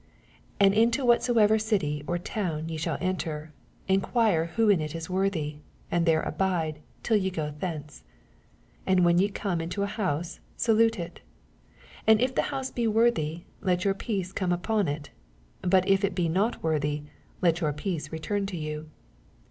11 And into whatsoever city or town ye shall enter, enquire wlTo in it is worthy ; and there abide till ye go thence. 12 And when ye come into an house, salnte it. 18 And if the house be worthy, let your peace come upon it : but if it be not worthy, let your peace return to yau.